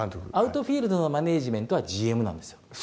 アウトフィールドのマネージメントはＧＭなんですよ